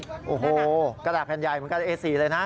อ่ะนั่นนะกระดาษแผนใหญ่เหมือนกับเอสซีเลยนะ